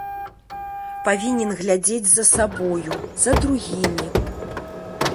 Павінен глядзець за сабою, за другімі.